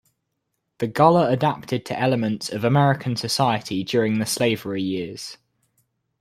The Gullah adapted to elements of American society during the slavery years.